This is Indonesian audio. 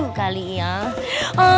kurang tujuh kali ya